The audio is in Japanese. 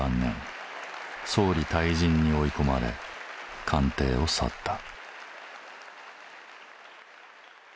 総理退陣に追い込まれ官邸を去った。